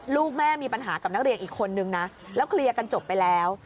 ลูกแม่มีปัญหากับนักเรียนอีกคนนึงนะแล้วเคลียร์กันจบไปแล้ว